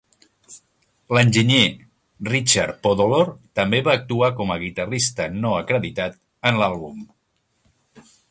L'enginyer Richard Podolor també va actuar com a guitarrista no acreditat en l'àlbum.